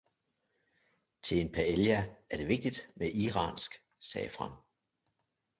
Til en paella er det vigtigt med iransk safran